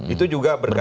itu juga berkali kali